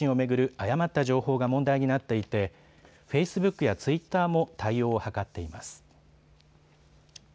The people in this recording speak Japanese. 誤った情報が問題になっていてフェイスブックやツイッターも対応を図っています。